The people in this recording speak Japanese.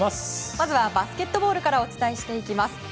まずはバスケットボールからお伝えしていきます。